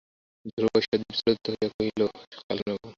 ধ্রুব ঈষৎ বিচলিত হইয়া কহিল, কাল শোনাব।